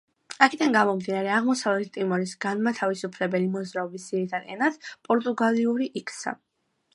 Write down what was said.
აქედან გამომდინარე, აღმოსავლეთ ტიმორის განმათავისუფლებელი მოძრაობის ძირითად ენად პორტუგალიური იქცა.